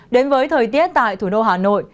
đến với thời tiết tại thủ đô hà nội